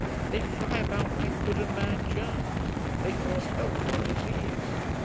They fly about like good and bad germs; they cause health or disease.